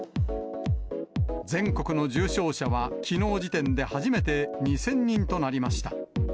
全国の重症者はきのう時点で初めて、２０００人となりました。